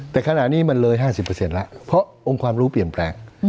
แต่ขณะนี้มันเลย๕๐แล้วเพราะองค์ความรู้เปลี่ยนแปลง